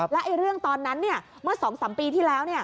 แล้วเรื่องตอนนั้นเมื่อ๒๓ปีที่แล้ว